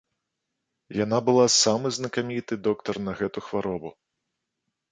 Яна была самы знакаміты доктар на гэту хваробу.